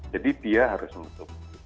jadi dia harus menutup